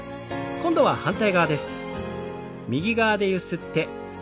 今度は反対側です。